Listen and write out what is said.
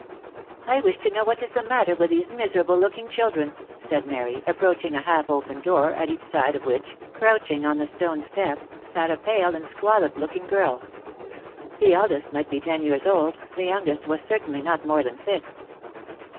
" I wish to know what is the matter with these miserable looking children," said Mary, approaching a half open door, at each side of which, crouching on the stone step, sat a pale and squalid looking girl. The eldest might be ten years old, the youngest was certainly not more than six.